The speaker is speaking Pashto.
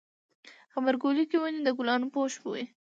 غبرګولی کې ونې د ګلانو پوښ وي.